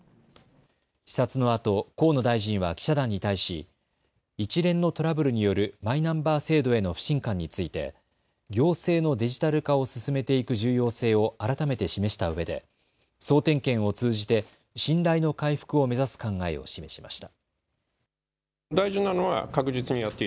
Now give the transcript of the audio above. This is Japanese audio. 視察のあと河野大臣は記者団に対し一連のトラブルによるマイナンバー制度への不信感について行政のデジタル化を進めていく重要性を改めて示したうえで総点検を通じて信頼の回復を目指す考えを示しました。